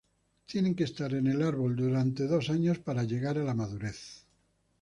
Maduran en el árbol durante dos años para llegar a la madurez.